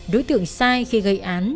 đối tượng sai khi gây án